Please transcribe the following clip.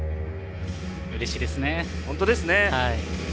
うれしいですね。